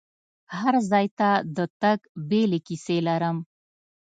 هر ځای ته د تګ بیلې کیسې لرم.